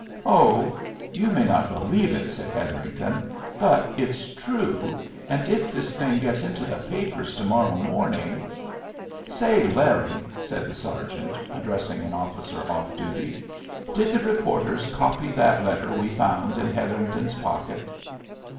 "Oh, you may not believe it," said Hetherington, "but it's true, and if this thing gets into the papers to morrow morning " "Say, Larry," said the sergeant, addressing an officer off duty, "did the reporters copy that letter we found in Hetherington's pocket?"